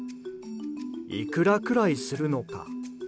いくらくらいするのか。